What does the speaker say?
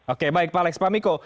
oke baik pak lex pamiko